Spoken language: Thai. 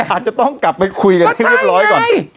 อาจจะต้องกลับไปคุยกันให้เรียบร้อยก่อน